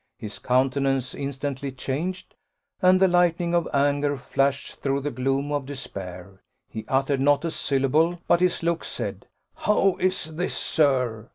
His countenance instantly changed, and the lightning of anger flashed through the gloom of despair: he uttered not a syllable; but his looks said, "How is this, sir?